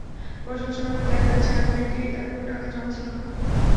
পর্যালোচনা করে দেখা গেছে, আগে ব্যাংকে তাঁর কোনো টাকা জমা ছিল না।